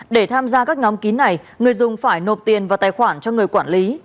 để tham gia các nhóm kín này người dùng phải nộp tiền vào tài khoản cho người quản lý